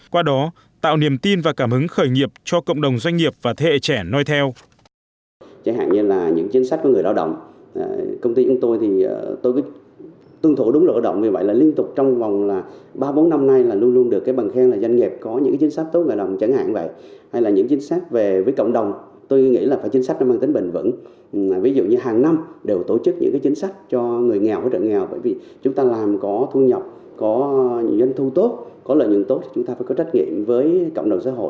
qua đó tạo niềm tin và cảm hứng khởi nghiệp cho cộng đồng doanh nghiệp và thế hệ trẻ nói theo